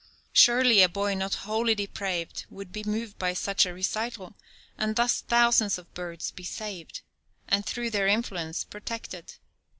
Surely a boy not wholly depraved would be moved by such a recital, and thus thousands of birds be saved, and through their influence, protected.